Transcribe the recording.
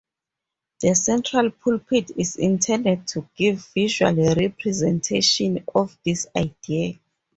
The central pulpit is intended to give visual representation of this idea.